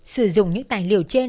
sử dụng những tài liệu trên